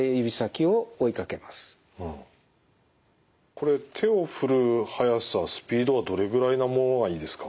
これ手を振る速さスピードはどれぐらいなものがいいですか？